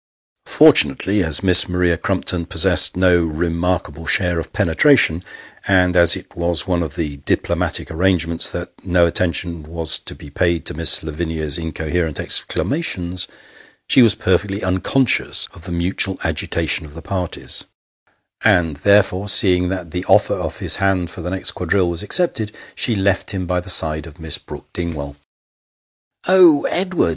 Fortunately, as Miss Maria Crumpton possessed no remarkable share of penetration, and as it was one of the diplomatic arrangements that no attention was to be paid to Miss Lavinia's incoherent exclama tions, she was perfectly unconscious of the mutual agitation of the parties ; and therefore, seeing that the offer of his hand for the next quadrille was accepted, she left him by the side of Miss Brook Dingwall. " Oh, Edward